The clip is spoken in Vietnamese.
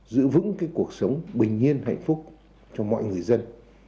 giữ vững cuộc sống bình yên hạnh phúc cho mọi người dân